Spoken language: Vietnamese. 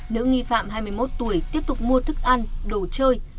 nữ nghi phạm hai mươi một tuổi tiếp tục mua thức ăn đồ chơi